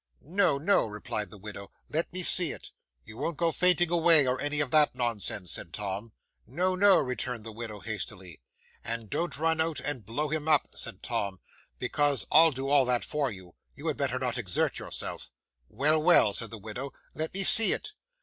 '"No, no," replied the widow; "let me see it." '"You won't go fainting away, or any of that nonsense?" said Tom. '"No, no," returned the widow hastily. '"And don't run out, and blow him up," said Tom; "because I'll do all that for you. You had better not exert yourself." '"Well, well," said the widow, "let me see it."